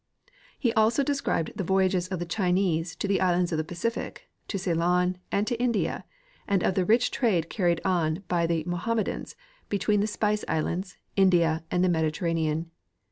He also de scribed the voyages of the Chinese to the islands of the Pacific, to Ceylon, and to India, and of the rich trade carried on by the Mo hammedans Ijetween the Spice islands, India and the Mediterra nean.